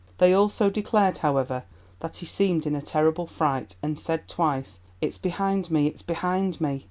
They also declared, however, that he seemed in a terrible fright, and said twice, "It's behind me; it's behind me!"